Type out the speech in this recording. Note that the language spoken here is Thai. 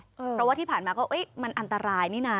เพราะว่าที่ผ่านมาก็มันอันตรายนี่นะ